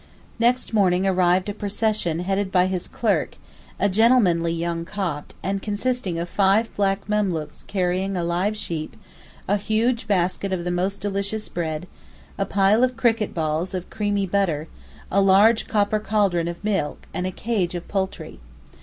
Next morning arrived a procession headed by his clerk, a gentlemanly young Copt, and consisting of five black memlooks carrying a live sheep, a huge basket of the most delicious bread, a pile of cricket balls of creamy butter, a large copper caldron of milk and a cage of poultry.